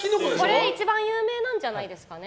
これ一番有名じゃないですかね。